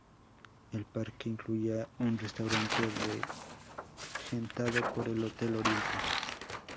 El parque incluía un restaurante, regentado por el Hotel Oriente.